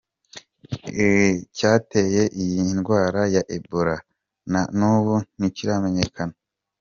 Icyateye iyi ndwara ya Ebola na n'ubu ntikiramenyekana.